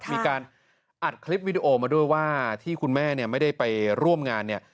มีการอัดคลิปวิดีโอมาด้วยว่าที่คุณแม่เนี่ยไม่ได้ไปร่วมงานเนี่ย